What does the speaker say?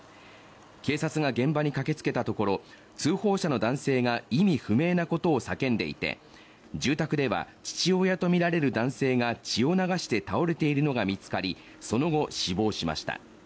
警察が現場に駆けつけたところ通報者の男性が意味不明なことを叫んでいて、住宅では父親とみられる男性が血を流して倒れているのが見つかり、その後、死亡しました。